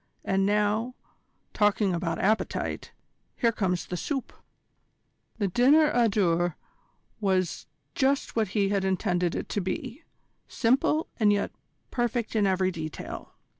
And now, talking about appetite, here comes the soup." The dinner à deux was just what he had intended it to be, simple and yet perfect in every detail.